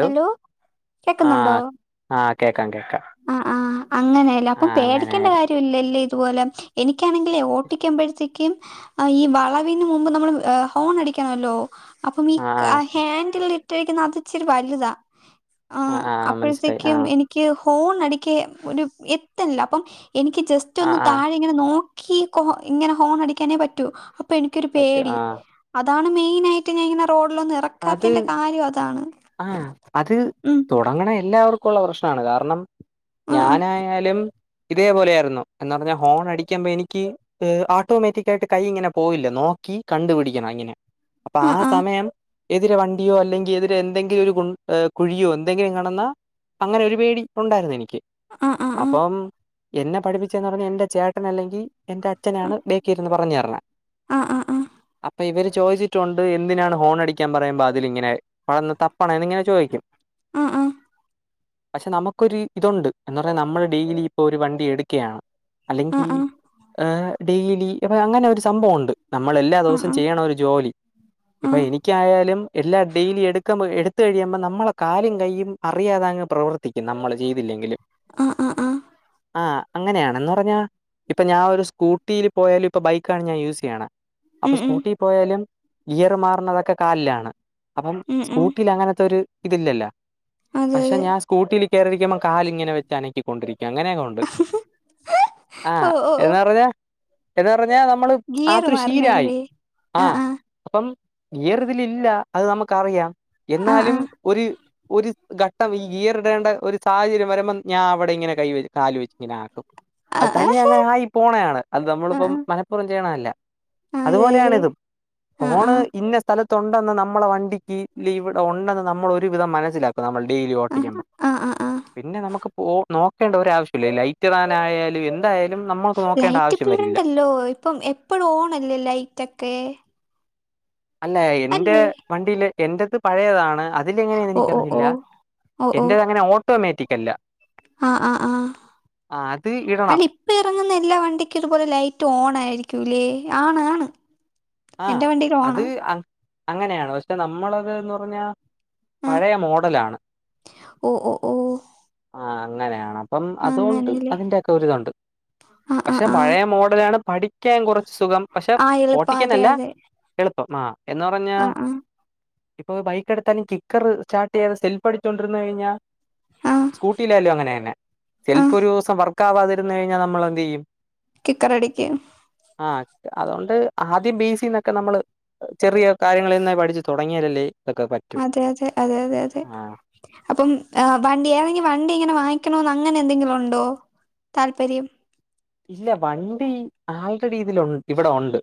Hello, കേക്കുന്നുണ്ടോ? ആഹ് ആഹ് കേക്കാം കേക്കാം ആഹ് ആഹ് അങ്ങനെയല്ലേ അപ്പം ആഹ് പേടിക്കേണ്ട അങ്ങനെയായിരുന്നു കാര്യം ഇല്ലല്ലേ [unintelligible] എനിക്കാണെങ്കിലേ ഓട്ടിക്കുമ്പഴ്ത്തേക്കും ഈ വളവിന് മുമ്പ് നമ്മള് ഏഹ് ഹോണടിക്കണല്ലോ അപ്പൊ മീ ആഹ് ഹാൻഡ്‌ലെ. ത്തേക്ക് അത് ഇച്ചിരി വലുതാ. ആഹ് അപ്പോഴത്തേക്കും എനിക്ക്. ഫോൺ അടിക്കെ ഒരു എത്തിയില്ല അപ്പം. എനിക്ക് ജസ്റ്റ് ഒന്ന് ആഹ് ആഹ് താഴെ ഇങ്ങനെ നോ കി കൊ ഇങ്ങനെ ഹോൺ അടിക്കാനേ പറ്റൂ. അപ്പം എനിക്കൊരു പറ്റും പേടി ആഹ് അ അതാണ് മെയിനായി ആയിട്ട് ഞാൻ ഇങ്ങനെ ഒരു. റോഡിലൊന്നും അത് ഇറക്കാത്തിന്റെ കാര്യം അതാണ് ആഹ് അത് ഉം. തുടങ്ങണ എല്ലാവർക്കും ഉള്ള പ്രശ്നമാണ് കാരണം. ആഹ് ആഹ് ഞാനായാലും ഇതേ പോലെയായിരുന്നു എന്നുപറഞ്ഞാൽ ഹോൺ അടിക്കുപ്പോ എനിക്ക് ഏഹ് ഓട്ടോമാറ്റിക്ക് ആയിട്ട് കൈ ഇങ്ങനെ പോയില്ല നോക്കി കണ്ടുപിടിക്കണം ഇങ്ങനെ. അപ്പൊ ആ ആഹ് ആഹ് സമയം. എതിരെ വണ്ടിയോ അല്ലെങ്കിൽ എതിരെ എന്തെങ്കിലും ഒരു കു കുഴിയോ എന്തെങ്കിലും കടന്നൽ അങ്ങനെ ഒരു പേടി ഉണ്ടായിരുന്നു എനിക്ക്. ആ ആ ആ അപ്പം എന്നെ പഠിപ്പിച്ചെന്ന് പറഞ്ഞ എന്റെ ചേട്ടൻ അല്ലെങ്കി എന്റെ അച്ഛനാണ് ബേക്കി ഇരുന്ന് പറഞ്ഞർ ആ ആ ആ അപ്പൊ ഇവര് ചോദിച്ചിട്ടുണ്ട് എന്തിനാണ് ഹോണടി ക്കാൻ പറയുമ്പ അതിലിങ്ങനെ [unintelligible] തപ് പണേന്ന് ഇങ്ങനെ ചോദിക്കും. ആ ആ ആ പക്ഷെ നമുക്കൊരു ഇതുണ്ട്. എന്ന് പറഞ്ഞാ നമ്മള് ഡെയിലി ഇപ്പൊ ഒരു വണ്ടി എടുക്കയാണ്. ആ ആ ആ ആ അല്ലെങ്കി ആ ആ ഏഹ് ഡെയ്ലി അപ്പ അങ്ങനൊരു സംഭവൊണ്ട്. നമ്മൾ എല്ലാ ദിവസവും ചെയ്യണ ഒരു ജോലി. ഇപ്പൊ എനി ക്കും എല്ലാ ഡെയ്ലി എടുക്കുമ്പ എടുത്ത് കഴിയുമ്പ നമ്മളെ കാലും കയ്യും അറിയാതങ്ങ് പ്രവർ ത്തിക്കും നമ്മള് ചെയ്തില്ലെങ്കിലും ആ അങ്ങനെയാണ് എന്ന് പറഞ്ഞാ ഇപ്പൊ ഞാൻ ഒരു സ്കൂട്ടിയില് പോയാലും ഇപ്പൊ ബൈക്കാണ് ഞാൻ യൂസ് ചെയ്യണെ. അപ്പൊ ഉം ഉം സ്കൂട്ടി പോയാലും ഗിയറ് മാറുന്നതൊക്കെ കാലിലാണ് അപ്പം ഉം ഉം സ്കൂട്ടീൽ അങ്ങനത്തൊര് ഇതില്ലല്ല അതെ പക്ഷെ അതെ ഞാൻ സ്കൂട്ടില് കേയറിരിക്കുമ്പോ കാലിങ്ങനെ വെച്ച അനക്കി കൊണ്ടിരിക്കും അങ്ങനെയൊക്കെ ഉണ്ട് ആഹ ഓ ഓ എാ ഓ പറഞ്ഞ എതാ പറഞ്ഞ നമ്മള് ഗിയർ ആത് ശീരായി മാറണല്ലേ ആ ആഹ് ആ അപ്പം ഈറ് ഇതിലില്ല ഇതില ഇല്ല അത് നമുക്ക്റിയാം ആ ആ എന്നാലും ഒരു ഒരു ഘട്ടം ഈ ഗിയറിടേണ്ട ഒരു സാഹചര്യം വരുമ്പ ഞാൻ അവിടെ ഇങ്ങനെ കൈ കാാല് വെച്ച് ഇങ്ങനെ ആക്കും ആ ആ അത്താനി അങ്ങനെ ആയി പോണയാണ് അത് ആ നമ്മളിപ്പം മലപ്പുറം ചെയ്യണല്ല ആ അതെ അതുപോലെയാണ അതെ ഇതും ആ ആ ഫോണ് സ്ഥലത്തുണ്ടെന്ന് നമ്മളെ വണ്ടിക്ക് ഇവിടെ ഉണ്ടെന്ന് നമ്മൾ ഒരുവിധം മനസ്സിലാക്കും നമ്മൾ ഡെയിലി ആ ഓട്ടിക്കുമ്പ ആ ആ ആ പിന്നെ നമുക്ക് പോ നോ വേണ്ട ഒരവശ്യല്ല ലൈറ്റ് തറാനായാല് എന്തായ ലൈറ്റ് പിടുണ്ടല്ലോ ഇപ്പം എപ്പഴും ഓണല്ലേ ലൈറ്റ് ഒക്കെ അല്ല ഇൻന്റെ അല്ലേ വണ്ടീല് എൻറത്ത് പഴേതാണ് അതിലെ എങ്ങനെയാെന്ന് ഓ ഓ ഓ എനിക്കറിയില്ല ഓ ഓ എൻറത് അങ്ങനെ ഓട്ടോമാറ്റിക് ല്ല ആ ആ ആ അത് ഇടണം. അല്ല ഇപ്പ ഇറങ്ങുന്ന എല്ലാ വണ്ടിക്കും ഇതുപോലെ ലൈറ്റ് ഓൺ ആയിരിക്കും ക്കൂലേ ആണ് ആണ് ആ എന്റെ വണ്ടിയിൽ അത് ഓണാ അങ്ങനെയാണ് പക്ഷെ നമ്മളത് എന്ന് പറഞ്ഞാ ആ പഴയ മോഡലാണ് ഓ ഓ ഓ ആ അങ്ങനെയാണ് അപ്പം അതുകൊണ്ട് അങ്ങനെല്ലേ അതിൻന്റെറെ ഒക്കെ ഒരുരിതമുണ്ട് ആ ആ പക്ഷെ ആ പഴയ മോഡലാണ് പഠിക്കാൻ കുറച്ച് സുഖം പക്ഷെ ആ എളുപ്പം അതെ അതെ പ്പം ആ എന്ന് പറഞ്ഞ ആ ആ ഇപ്പൊ ബൈക്ക് എടുത്താലും കിക്കർ സ്റ്റാർട്ട ചെയാതെപ്പ് സെൽഫ് അിച്ചൊണ്ടിര്ന്ന് കഴിഞ്ഞൽ ആ സ്കൂട്ടിയിലായാലോ അങ്ങനെ തന്നെ ആ സെൽഫി ഒരു ദിവസം വർക്ക് ക്കാവാതിരുന്ന് കഴിഞ്ഞാൽ നമ്മള് എന്ത് ചെയ്യും കിക്കറടിക്ക് ആ ത് അതോണ്ട് ആദ്യം ബി എസിന്നൊക്കെ നമ്മള് ചെറിയ കാര്യങ്ങളിൽന്നായി പഠിച്ചു തുടങ്ങിയരല്ലേ അതെ അതെ അതെ അതെ അതെ ആഹ് അപ്പം വണ്ടി ഏതെങ്കും വണ്ടി ഇങ്ങനെ വാങ്ങ അങ്ങനെ എന്തെങ്കിലും ഉണ്ടോ താല്പര്യം ഇല്ല വണ്ടി ആൾ റെഡി ഇതിൽ ഇവിടെ ഉണ്ട്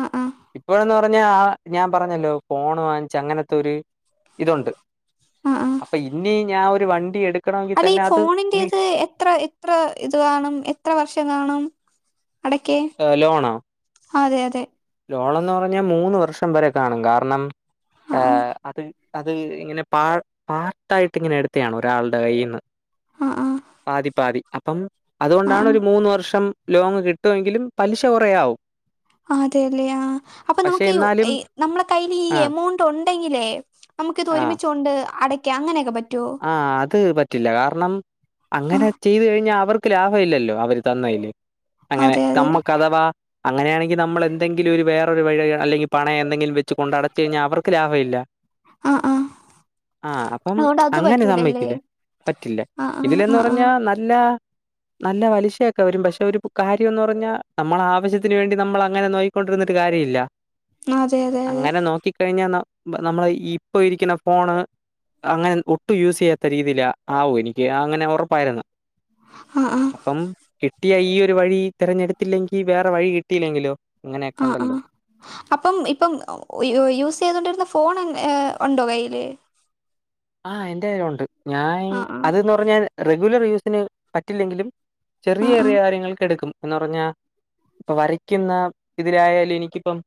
ആ ആ ഇപ്പോഴെന്ന പറഞ്ഞ ആ ഞാൻ പറഞ്ഞല്ലോ ഫോൺ വാങ്ങിച്ച് അങ്ങനത്തെ ഒരു ഇതുണ്ട് ആ ആ അപ്പൊ ഇനി ഞാൻ ഒരു വണ്ടി എടുക്കണമെങ്കിൽ അല്ല ഈ തന്നെ അത് ഫോണിന്റെ വി ഇത് എത്ര എത്ര ഇത് കാണും എത്ര വർഷം കാണും അടക്കേ ഹ ലോണാ അതെ അതെ ലോണന്ന് പറഞ്ഞാൽ മൂന്ന് വർഷം വരെ കാണും കാരണം ആ ആ ആഹ അത് അത് ഇങ്ങനെ പാ പാർട്ട് ആയിട്ട് ഇങ്ങനെ എടുത്തയാണ് ഒരാളുടെ കയ്യിൽന്ന് ആ ആ പാതി പാതി അപ്പം ആ അതുകൊണ്ടാണ് ഒരു ആ മൂന്ന് വർഷം ലോണ് കിട്ടുമെങ്കിലും പലിശ കുറയാവും അതെല്ലേ ആ അപ്പൊ പക്ഷെ നമുക്ക് എന്നാലും നമ്മള കയ്യിൽ ഈ ആഹ് എമൗണ്ട് ഉണ്ടെങ്കിലേ നമുക്ക് ഇത് ഒരുമിച്ചു കൊണ്ട് അട അങ്ങനെയൊക്കെ പറ്റുമോ ആഹ അത് പറ്റില്ല കാരണം ആ അങ്ങനെ ചെയ്ത് കഴിഞ്ഞാ അവർക്ക് ലാഭ ഇല്ലല്ലോ അവര് തന്നതില് അങ്ങനെ അതെ അതെ നമ്മൾക്ക് അഥവാ അങ്ങനെയാണെങ്കിൽ നമ്മൾ എന്തെങ്കിലും ഒരു വേറൊരു വഴി അല്ലെങ്കിൽ പണയ എന്തെങ്കിലും വെച്ച് കൊണ്ടണ്ട്ടച്ച് കഴിഞ്ഞാൽ അവർക്ക് ലാഭമല്ല ആ ആ ആഹ് അപ്പം അതുകൊണ്ട് അത് അങ്ങനെ പറ്റൂലല്ലേ സമ്മക്കില്ലേ പറ്റില്ല ആ ആ ഇതിലന്ന് ആ ആ പറഞ്ഞാ നല്ല നല്ല പലിശയൊക്കെ വരും പക്ഷെ ഒരു കാര്യംന്ന് പറഞ്ഞാ നമ്മളെ ആവശ്യത്തിനന് വേണ്ടി നമ്മൾ അങ്ങനെ നോയിക്കൊണ്ടിരുന്ന ഒരു കാര്യമ ഇില്ല അതെ അതെ അതെ അങ്ങനെ നോക്കിക്കഴിഞ്ഞാ നമ്മള് ഇപ്പൊ ഇരിക്കുന്ന ഫോണ് അങ്ങനെ ഒട്ടും യൂസ് ചെയ്യാത്ത രീതിൽ ആവും എനിക്ക് അങ്ങനെ ഉറപ്പായിരുന്നു ആ ആ അപ്പം കിട്ടിയ ഈ ഒരു വഴി തിരഞ്ഞെടുത്തില്ലെങ്കിൽ വേറെ വഴി കിട്ടയില്ലെങ്കിലോ ആ ആ അപ്പം ഇപ്പം യൂസ് ചെയ്തൊണ്ടിരുന്ന ഫോൺ ഏ ഉണ്ടോ കയ്യില് ആഹ് എന്റെ കൈയിൽ ഉണ്ട് ഞാൻ ആ ആ അതെന്ന് പറഞ്ഞ റെഗുലർ യൂസിന് പറ്റില്ലെങ്കിലും ആ ചെറിയ ആ ചെറിയ കാര്യങ്ങൾക്ക് എടുക്കും എന്ന് പറഞ്ഞാ ഇപ്പൊ വരയ്ക്കുന്ന ഇതിലായാലും എനിക്കിപ്പം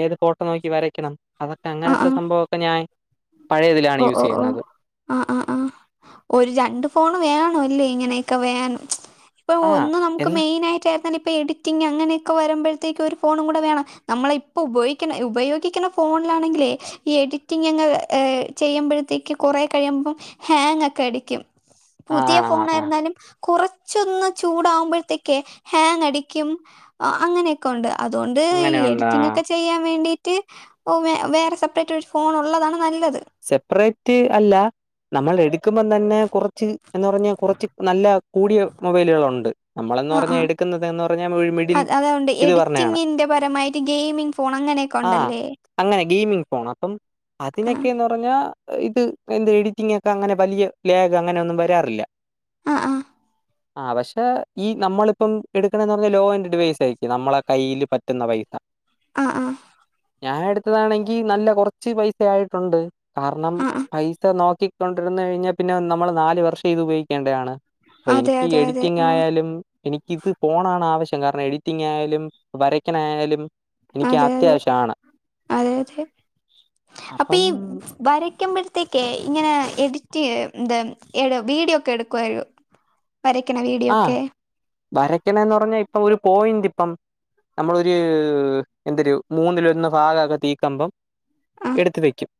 ഏത് ഫോട്ടോ നോക്കി വരക്കണം, അതൊക്കെ ആ അങ്ങനത്തെ ആ സംഭവൊക്കെ ഞാൻ പഴയതിലാണ് ഓ യൂ ഓ ആ ആ ആ. ഒരു ര ണ്ട് ഫോ വേണ അല്ലേ ഇങ്ങനെയൊ ക്കെ ഇപ്പൊ ആ ഒന്ന് നമുക്ക് എന്ന മെയിനാ യിട്ട ഇപ്പോ എഡിറ്റിംഗ് അങ്ങനെയൊക്കെ വരുമ്പോഴത്തേക്ക് ഒരു ഫോണും കൂടെ വേണം. നമ്മള ഇപ്പോൾ ഉപയോഗിക്കണ ഉപയോഗിക്ക്ണ ഫോണിലാണെങ്കിലേ, ഈ എഡിറ്റിംഗങ്ങ് ഏ ചെയ്യുമ്പോഴത്തേക്ക് കുറേ കഴിയുമ്പം ഹാങ്ങ് ഒക്കെ അടി ക്കും. ആ പുതിയ ആ ആ ആ, ഫോണായിരുന്നാലും കുറച്ചൊന്ന് ചൂടാവുമ്പോഴത്തേക്കേ ഹാങ് അടിക്കും അങ്ങനെയൊക്കെ ഉ ണ്ട്. അതുകൊണ്ട് ഈ അങ്ങനെയുണ്ട് ആ എഡിറ്റിംഗ് ഒക്കെ ചെയ്യാൻ വേണ്ടി വേറെ സെപ്പറേറ്റ് ഒരു ഫോൺ ഉള്ളതാണ് നല്ലത്. സെപ്പറേറ്റ് അല്ല, നമ്മൾ എടുക്കുമ്പം തന്നെ കുറച്ച് എന്ന് പറഞ്ഞ കുറച്ച് നല്ല കൂടിയ മൊബൈലുകളുണ്ട്. നമ്മൾന്ന് ആ ആ പറഞ്ഞാൽ എടുക്കുന്നത് എന്ന് പറഞ്ഞാൽ മിഡിൽ അത് അതുണ്ട് ഇത് പറാണ് എഡിറ്റിങ്ങിന്റെ പരമായിട്ട് ഗെയിമിംഗ് ഫോൺ അങ്ങനെയൊക്കെ ആ ഉണ്ടല്ലേ അങ്ങനെ ഗെയിമിംഗ് ഫോൺ അപ്പം അതിനൊ ആ പിന്ന ഇത് എന്റെ എഡിറ്റിംഗ് ഒക്കെ അങ്ങനെ വലിയ ലാഗ് അങ്ങനെ ഒന്നും വരാറില്ല ആഹ ആ ആഹ പക്ഷെ ഈ നമ്മളിപ്പം എടുക്കണന്ന് പറഞ്ഞാ ലോ ആൻറ്ഡവൈസ ആയിരിക്കും, നമ്മളെ കയ്യിൽ പറ്റുന്ന പൈസ ആഹ ആഹ ഞാൻ എടുത്തതാണെങ്കിൽ നല്ല കുറച്ച് പൈസ ആയിട്ട് ഉണ്ട് കാരണം ആ ആ. പൈസ നോക്ക ക്കിക്കൊന്ദിരുന്നുകഴിഞ്ഞാൽ പിന്നെ നമ്മൾ നാല് വർഷം ഇത് ഉപയോഗിക്കേണ്ടതാണ് അപ്പൊ അതെ എനിക്ക് അതെ അതെ ആ എഡിറ്റിംഗ്ആയാലും എനിക്കിത് ഫോണാണാവശ്യ കാരണം എഡിറ്റിംഗായാലും, വരക്ക്ണെ ആയാലും എനിക്ക് അതെ അതെ അത്യാവശ്യമാണ്. അതെ അതെ [unintelligible] വരക്കുമ്പോഴത്തേക്കേഇങ്ങനെ എഡിറ്റ് എന്ത വീഡിയോ ഒക്കെ എടുക്കുവോ? ആഹ വരക്കണന്ന് പറഞ്ഞാ ഇപ്പൊ ഒരു പോയിന്റ് ഇപ്പം നമ്മളൊരു എന്തര് മൂന്നിലൊന്ന് ഭാഗൊക്കെ തീകമ്പം ആ എടുത്ത് വെക്കും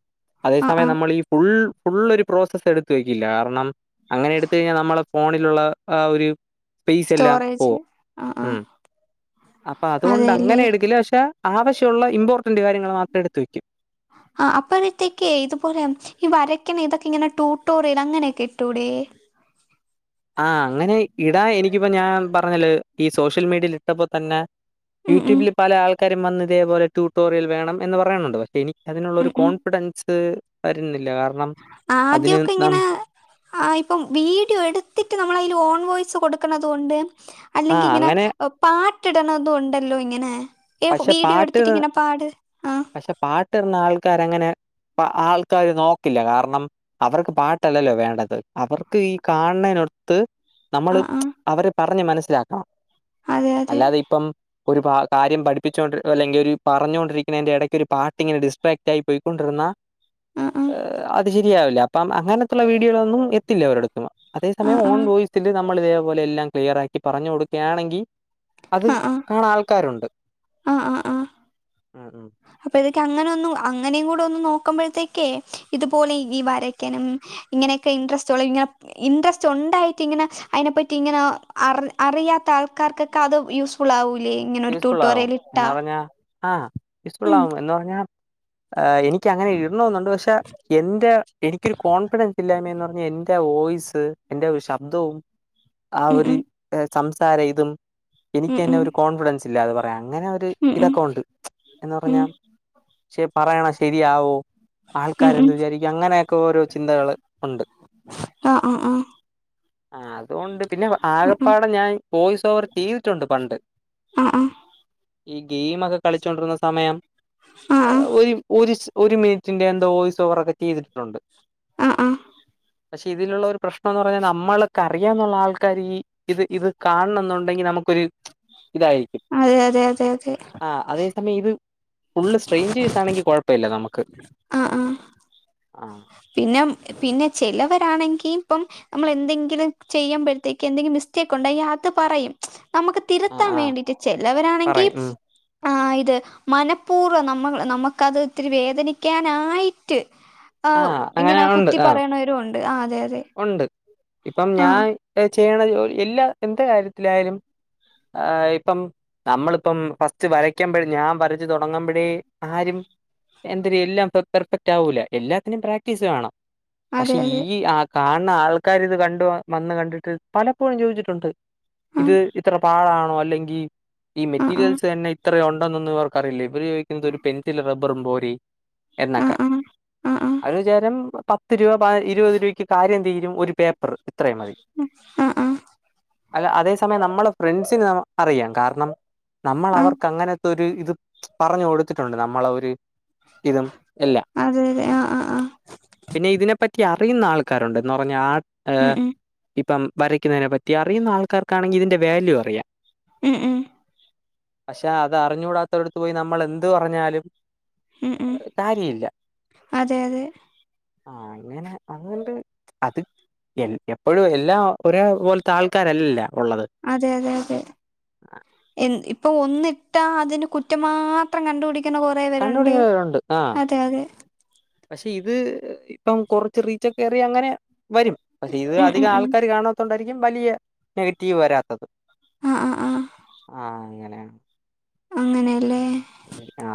അതേ ആ ആ സമയം നമ്മൾ ഈ ഫുൾ ഫുളളൊരു പ്രോസസ്സ് എടുത്തത്ത് വയ്ക്കില്ല കാരണം അങ്ങനെ എടുത്ത കഴിഞ്ഞാൽ നമ്മളെ ഫോണിലുള്ള ഫു ആ ഒരു സ്പെയസ് എല്ലാം പോവും ആ അപ്പൊ അതുകൊണ്ട് അങ്ങനെ അതെയല്ലേ എടുക്കല പക്ഷെ ആവശ്യമുള്ള ഇമ്പോർട്ടന്റ് കാര്യങ്ങൾ മാത്രം എടുത്ത വെക്കും ആഹ അപ്പഴത്തേക്ക ഇതുപോലെ ഈ വരക്കണെ ഇതൊക്കെ ഇങ്ങനെ ടൂട്ടോറ് ഇത അങ്ങനെയൊക്കെ ഇട്ടുടെ. പറഞ്ഞല് ഈ സോഷ്യൽ മീഡിയൽ ഇട്ടപ്പോ തന്നെ ഉം ഉം യൂട്യൂബില് പല ആൾക്കാ ആൾക്കര വന്ന്‌ ഇതേപോലെ ട്യൂട്ടോറിയൽ വേണം എന്ന് പറയു ന്നുണ്ട്. പക്ഷെ എനി അതിനുള്ള ഒരു കോൺഫിഡൻസ് വരുന്നില്ല കാരണം അതിന് ആദ്യൊക്കെ നം ഇങ്ങനെ ആ ഇപ്പം വീഡിയോ എടുത്ത് എടുത്തിട്ട് നമ്മളതിൽ ഓൺ വോയ്സ് കൊടുക്കണതുണ്ട് ആ അല്ലെങ്കിൽ ഇങ്ങനെ അങ്ങനെ പാ കെട്ടിടണന്നും ഉണ്ടല്ലോ ഇങ്ങനെ ഏ പക്ഷെ വീഡിയോ പാട്ട് എടുത്തിട്ട് ഇങ്ങനെ പാട് ആ പക്ഷെ പാട്ടിടണ ആൾക്കാര അങ്ങനെ അ ആൾക്കാര്നോക്കില്ല കാരണം. അവർക്ക് പാട്ടല്ലല്ലോ വേണ്ടത് അവർക്ക് ഈ കാണണനൊടുത്ത് ആ നമ്മള് ആ അവരെ പറ പറഞ്ഞ് മനസ്സിലാക്കണം. അതെ അതെ അല്ലാതെ ഇപ്പം ഒരു കാര്യം പഠി പഠിപ്പിച്ച്ട്ട് അല്ലെങ്കിൽ ഒരു പറഞ്ഞുകൊണ്ടരിക്കുന്ന എന്റെ ഇടയ്ക്ക് ഒരു പാട്ട്ങ്ങനെ ഡിസ്ട്രക് ആയിക്കണ്ടരുന്നാ ആ ആ അ അത് ല്ല അപ്പം അങ്ങനത്തുള്ള വീഡോകളൊന്നും എത്തില്ല ഒ രോടുത്ത് അതേ ആ സമയം ആ ഓൺവോയ്‌സില് നമ്മള ഇതേപലെ എല്ലാം ക്ലിയറക്കി പറഞ്ഞു കൊടുക്കുകയാണെങ്കിൽ അത് കാണാൻ ആൾക്കാരുണ്ട്. ആഹ ആഹ ആഹ ഉം ഉം അപ്പൊത അങ്ങനെ ഒന്നും അങ്ങനെയ കൂടെ ഒന്ന് നോക്കുമ്പോഴത്തേക്കേ ഇതുപോലെ ഈ വരക്കാനും ഇങ്ങനെയൊക്കെ ഇൻട്രസ്റ്റ്ള്ള ഇങ്ങനെ ഇൻട്രസ്റ്റ് ഉണ്ടായിട്ട് ഇങ്ങനെ അതിനെ പറ്റി ഇങ്ങനെ അറിയാത്ത ആൾക്കാർക്കൊക്കെ അത് യൂസ്ഫുൾ ആക ഇങ്ങനെ ഒരു യൂസ്ഫുൾ ട്യൂട്ടോറിയൽ ഇട്ടാ ഉസ്ഫുൾ ഉം ആവും എന്ന് പറഞ്ഞ എനിക്ക് അങ്ങനെ ഇടണെന്നുണ്ട് പക്ഷെ എന്റെ എനിക്കൊരു കോൺഫിഡൻസ് ഇല്ലായ്മന്ന് പറഞ്ഞാ എന്റെറെ ഓയിസ് എന്റെ ഒരു ശബ്ദവും ആ ഉം ഉം ഒരു സം താര ഇതും ഉം എനിക്ക് എന്നെ ഉം ഒരു കോൺഫിഡൻ ഇല്ലാതെ പറയാം അങ്ങനെ ഒരു ഉം ഉം ഇതൊക്കെ ഉണ്ട് എന്ന് പറഞ്ഞ ഉം ശെ പറയണ ശെരിയാവോ ഉം ആൾക്കാര ഉം എന്ത് വിചാരിക്കും അങ്ങനെയൊക്കെ ഓരോ ചിന്തകള് ഉണ്ട് ആഹ് ആഹ് ആഹ് അതുകൊണ്ട് പിന്നെ ഉം ഉം ആകപ്പാടെ ഞാൻ പോയ്സ് ഓവർ ചെയ്തിട്ടുണ്ട് പണ്ട് ആ ആ ഈ ഗെയിം ഒക്കെ കളിച്ചൊണ്ടിരുന്ന സമയം ആ ആഹ് ഒരു ഒരു ഒരു മിനിറ്റിന്റെ എന്തോ വോയ്സ് ഓവർ ഒക്കെ ചെയ്തിട്ടുണ്ട് ആ ആ പക്ഷെ ഇതിലുള്ള ഒരു പ്രശ്നംന്ന് പറഞ്ഞാൽ നമ്മൾക്ക്റിയന്നുള്ള ആൾക്കാര് ഈ ഇത് ഇത് കാണണം എന്നുണ്ടെങ്കില് നമുക്കൊരു ഇതായിരിക്കും അതെ അതെ അതെ അതെ ആ അതേ സമയം ഇത് ഫുൾ സ്‌ട്രെൻജർസ്ണെങ്കി കുഴപ്പം ഇപ്പല്ല നമുക്ക് ആഹ് ആഹ് ആ പിന്നെ പിന്നെ ചിലവരാണെങ്കി ഇപ്പം നമ്മൾ എന്തെങ്കിലും ചെയ്യുമ്പഴത്തേക്ക് എന്തെങ്കിലും മിസ്റ്റേക്ക് ഉണ്ട അത് പറയും നമുക്ക് ആ തിരുത്താൻ ആ വേണ്ടിട്ട് ചെലവരാണെങ്കി പറയും ഉം ആ ഇത് മനപൂർവം നമ്മൾ നമുക്കത് ഇത്തിരി വേദനിക്കാനായിട്ട് ആ അങ്ങനെ ഇങ്ങനെ ഉണ്ട് കുത്തി ആ പറയണവരും ഉണ്ട് ആ ഉണ്ട് ഇപ്പം ഞാൻ ചെയ്യണ ജോലി എല്ലാ എന്ത് കാര്യത്തിലായാലും ഇപ്പം നമ്മളിപ്പം ഫസ്റ്റ് വരക്കുമ്പോഴേ ഞാൻ വരച്ചു തുടങ്ങുമ്പോഴേ ആരും എന്തരും എല്ലാം പെർഫെക്റ്റ് ആവൂല്ല എല്ലാത്തിനും പ്രാക്ടീസ് വേണം അതെ പക്ഷെ അതെ ഈ ആ കാണുന്ന ആൾക്കാർ ഇത് കണ്ട് വന്ന് കണ്ടിട്ട് പലപ്പോഴും ചോദിച്ചിട്ടുണ്ട് ഇത് ആഹ് ഇത്ര പാടാണോ അല്ലെങ്കി ഈ ആഹ് മെറ്റീരിയൽസ് തന്നെ ഇത്രയു ഇതൊന്നും ഇവർക്കറിയില്ല ഇവര് ചോദിക്കുന്നത് ഒരു പെൻസിലും റബറും പോ [inaudible] ആഹ് എന്നൊക്കെ ആഹ് ആഹ് ആഹ് ആഹ് അവര് വിചാരം പത്ത് രൂപ പ ഇരുപത് രൂപയ്ക്ക് കാര്യം തീരും ഒരു പേപ്പർ ഇത്രയും മതി ആഹ് ആഹ് അല്ല അതേ സമയം നമ്മൾ ഫ്രണ്ട്സിന് ന അറിയാം കാരണം നമ്മൾ ആഹ് അവർക്ക് അങ്ങനത്തെ ഇത് പറഞ്ഞു കൊടുത്തിട്ടുണ്ട് നമ്മളെ ഒരു ഇതും എല്ലാം അതെ അതെ ആഹ് ആഹ് ആഹ് പിന്നെ ഇതിനെപ്പ യെ അറിയുന്ന ആള് ആൾക്കാരുണ്ട് ഉണ്ടെന്ന് പറഞ്ഞാ ആ ഉം ഉം ഇപ്പം വരയ്ക്കുന്നതിനെ പറ്റി അറിയുന്ന ആൾക്കാർക്കാണെങ്കിൽ ഇതിന്റെ വാല്യു അറിയാം ഉം ഉം പക്ഷെ അത് അറിഞ്ഞുകൂടാത്ത വരടുത്തു പോയി നമ്മള് എന്ത് പറഞ്ഞാലും ഉം ഉം കാര്യയില്ല അതെ അതെ ആ അങ്ങനെ അതുകൊണ്ട് അത് എൽ എപ്പോഴും എല്ലാ ഒരേ പോലത്തെ ആൾക്കാരല്ലല്ല ഉള്ളത് അതെ അതെ അതെ എന്ത്‌ ഇപ്പൊ ഒന്നിട്ടാ അതിന് കുറ്റം മാത്രം കണ്ടുപിടി ക്കന കൊറേ പേരുണ്ട് കണ്ടുപിടിക്കുന്നവരുണ്ട് ആ അതെ അതെ പക്ഷെ ഇത് ഇപ്പം കൊറച്ച് റീച്ചെക്കെറി അങ്ങനെ വരും പക്ഷെ ഇത് ഉം ഉം അധികം ഉം ആൾക്കാര് കാണത്തോണ്ടാ ഇനിയും വലിയ നെഗറ്റീവ് വരാത്തത് ആഹ് ആഹ് ആഹ് ആ അ അങ്ങനെയല്ലേ ആ